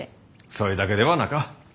そいだけではなか。